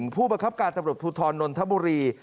ผู้บังคับการตำรวจภูทรนนทบุรี